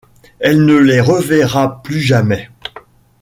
Elle ne les reverra plus jamais.